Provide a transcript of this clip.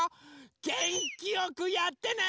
げんきよくやってね！